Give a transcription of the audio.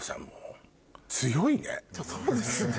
そうですよね。